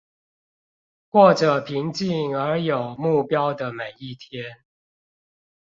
過著平靜而有目標的每一天